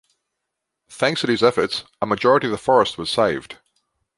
Thanks to these efforts, a majority of the forest was saved.